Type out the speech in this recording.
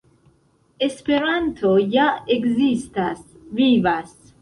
Esperanto ja ekzistas, vivas.